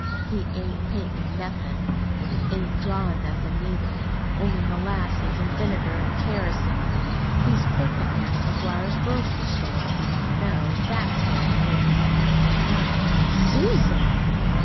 "He ain't paintin' nothin', an' he ain't drawin' nothin' neither only molasses an' vinegar an' kerosene. He's clerkin' down to McGuire's grocery store, if you want to know. That's where he is." "Why SUSAN!"